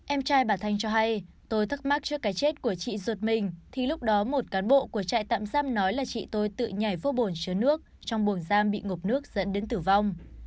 em trai bà thanh cho hay tôi thắc mắc trước cái chết của chị ruột mình thì lúc đó một cán bộ của trại tạm giam nói là chị tôi tự nhảy vô bồn chứa nước trong buồng giam bị ngộp nước dẫn đến tử vong